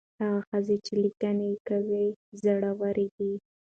هغه ښځه چې لیکنې کوي زړوره ده.